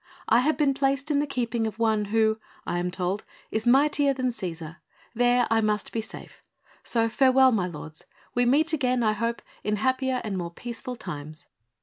I have been placed in the keeping of one who, I am told, is mightier than Cæsar. There must I be safe; so farewell, my lords; we meet again, I hope, in happier and more peaceful times."